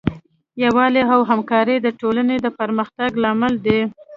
یووالی او همکاري د ټولنې د پرمختګ لامل دی.